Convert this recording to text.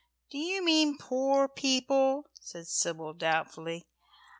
"Do you mean poor people?" said Sybil doubtfully.